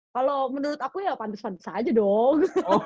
kalau menurut aku ya pantes pantes aja dong